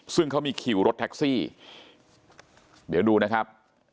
ซึ่งเขามีคิวรถแท็กซี่เดี๋ยวดูนะครับ